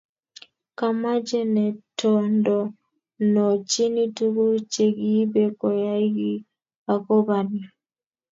kamache netondonochini tuguk chegiibe koyay giiy agoba ni